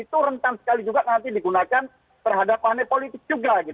itu rentan sekali juga nanti digunakan terhadap aneh politik juga